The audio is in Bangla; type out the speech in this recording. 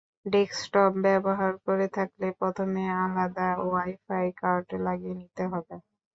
ডেস্কটপ ব্যবহার করে থাকলে প্রথমে আলাদা ওয়াই-ফাই কার্ড লাগিয়ে নিতে হবে।